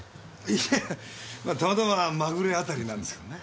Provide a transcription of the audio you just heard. いやあたまたままぐれ当たりなんですけどね。